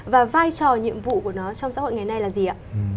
và vai trò nhiệm vụ của nó trong xã hội ngày nay là gì ạ